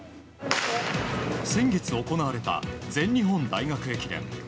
先月行われた全日本大学駅伝。